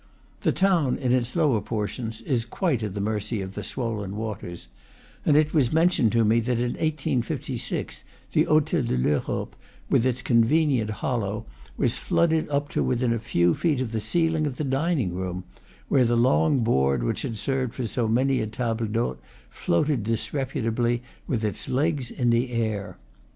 The town, in its lower portions, is quite at the mercy of the swollen waters; and it was mentioned to me that in 1856 the Hotel de l'Europe, in its convenient hollow, was flooded up to within a few feet of the ceiling of the dining room, where the long board which had served for so many a table d'hote floated dis reputably, with its legs in the air.